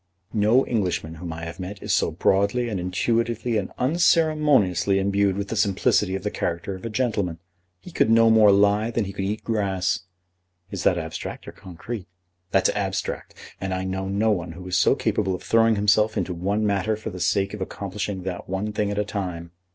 "No Englishman whom I have met is so broadly and intuitively and unceremoniously imbued with the simplicity of the character of a gentleman. He could no more lie than he could eat grass." "Is that abstract or concrete?" "That's abstract. And I know no one who is so capable of throwing himself into one matter for the sake of accomplishing that one thing at a time.